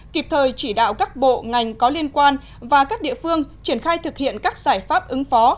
kịp thời chỉ đạo các bộ ngành có liên quan và các địa phương triển khai thực hiện các giải pháp ứng phó